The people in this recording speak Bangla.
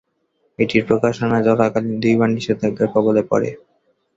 এটির প্রকাশনা চলাকালীন দুইবার নিষেধাজ্ঞার কবলে পরে।